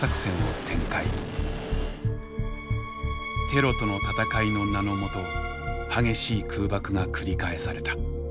テロとの戦いの名の下激しい空爆が繰り返された。